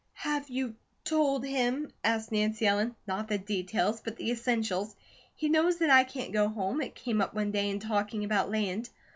"Have you told him ?" asked Nancy Ellen. "Not the details, but the essentials. He knows that I can't go home. It came up one day in talking about land.